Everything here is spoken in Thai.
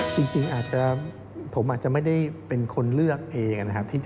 จริงอาจจะผมอาจจะไม่ได้เป็นคนเลือกเองนะครับ